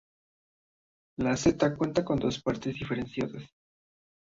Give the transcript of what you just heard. La seta cuenta con dos partes diferenciadas.